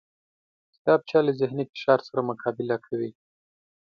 کتابچه له ذهني فشار سره مقابله کوي